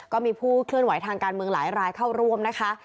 ก็มีผู้เคลื่อนไหวทางการเมืองหลายรายเข้าร่วมนะคะ